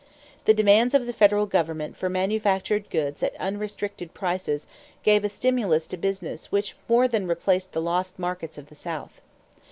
The demands of the federal government for manufactured goods at unrestricted prices gave a stimulus to business which more than replaced the lost markets of the South.